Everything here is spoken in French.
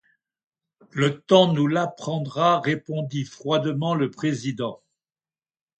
Le temps nous l’apprendra, répondit froidement le président.